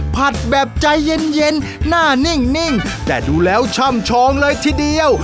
ผัดแบบใจเย็นเย็นหน้านิ่งแต่ดูแล้วช่ำชองเลยทีเดียว